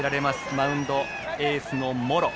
マウンド、エースの茂呂。